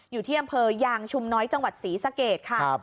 อยู่ที่อำเภอยางชุมน้อยจังหวัดศรีสะเกดค่ะ